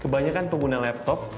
kebanyakan pengguna laptop